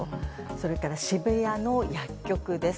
それから渋谷の薬局です。